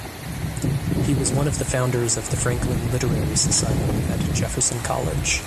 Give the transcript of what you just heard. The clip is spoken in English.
He was one of the founders of the Franklin Literary Society at Jefferson College.